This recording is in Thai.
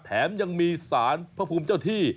แถมยังมีสารพระภูมิเจ้าที่